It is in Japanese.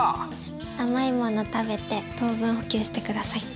甘い物食べて糖分補給して下さい。